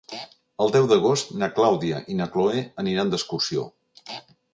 El deu d'agost na Clàudia i na Cloè aniran d'excursió.